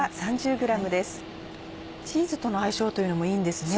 チーズとの相性というのもいいんですね。